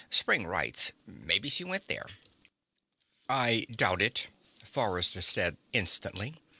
Spring Rites. Maybe she went there." "I doubt it," Forrester said instantly.